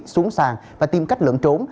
xuống sàn và tìm cách lưỡng trốn